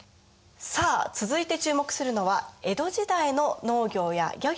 さあ続いて注目するのは江戸時代の農業や漁業について。